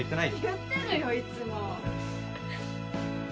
言ってるよいつも。